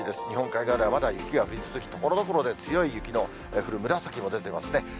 日本海側ではまだ雪が降り続き、ところどころで強い雪の降る紫も出ていますね。